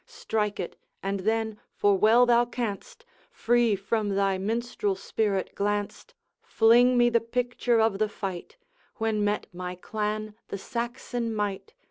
Strike it! and then, for well thou canst, Free from thy minstrel spirit glanced, Fling me the picture of the fight, When met my clan the Saxon might.